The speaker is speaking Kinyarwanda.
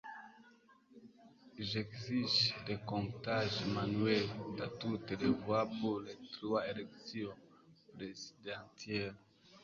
J'exige le recomptage manuel de toutes les voix pour les trois élections (présidentielle